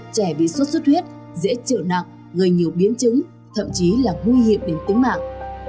trẻ bị sốt xuất huyết dễ chịu nặng gây nhiều biến chứng thậm chí là nguy hiểm đến tính mạng